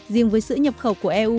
riêng với sữa nhập khẩu của eu